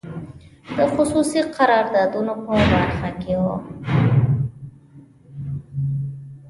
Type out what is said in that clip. د خصوصي قراردادونو په برخو کې وو.